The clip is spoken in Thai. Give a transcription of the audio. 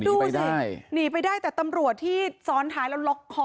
ถิ่นหรือไปได้แต่ตำรวจที่ซ้อนท้ายแล้วลักคอ